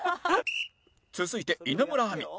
続いて稲村亜美